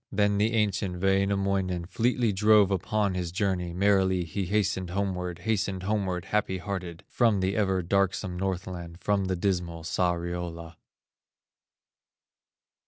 Then the ancient Wainamoinen Fleetly drove upon his journey, Merrily he hastened homeward, Hastened homeward, happy hearted From the ever darksome Northland From the dismal Sariola.